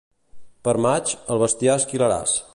Per maig, el bestiar esquilaràs.